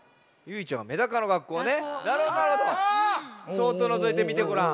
「そっとのぞいてみてごらん」。